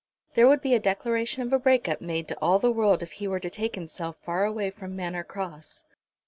There would be a declaration of a break up made to all the world if he were to take himself far away from Manor Cross.